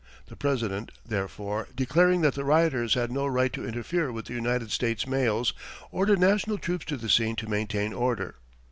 The President, therefore, declaring that the rioters had no right to interfere with the United States mails, ordered national troops to the scene to maintain order.